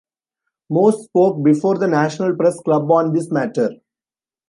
Moss spoke before the national press club on this matter.